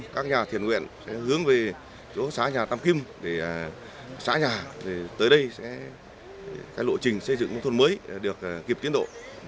các nhà thiền nguyện hướng về chỗ xá nhà tam kim xá nhà tới đây lộ trình xây dựng nông thuận mới được kịp tiến độ